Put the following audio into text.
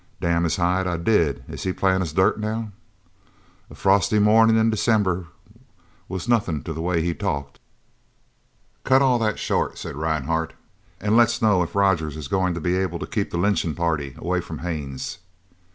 "Damn his hide, I did. Is he playing us dirt now?" "A frosty mornin' in December was nothin' to the way he talked." "Cut all that short," said Rhinehart, "an' let's know if Rogers is goin' to be able to keep the lynching party away from Haines!"